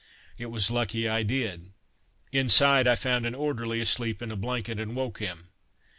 It was lucky I did. Inside I found an orderly asleep in a blanket, and woke him.